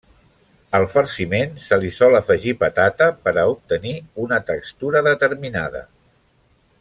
Al farciment se li sol afegir patata per a obtenir una textura determinada.